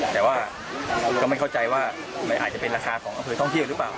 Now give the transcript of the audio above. แต่ว่าก็ไม่เข้าใจว่ามันอาจจะเป็นราคาของอำเภอท่องเที่ยวหรือเปล่า